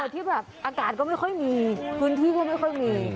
ที่แบบอากาศก็ไม่ค่อยมีพื้นที่ก็ไม่ค่อยมี